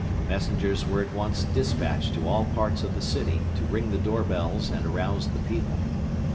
Messengers were at once dispatched to all parts of the city, to ring the door bells and arouse the people.